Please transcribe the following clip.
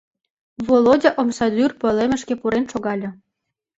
Володя омсадӱр пӧлемышке пурен шогале.